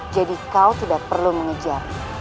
jadi kau tidak perlu mengejar dia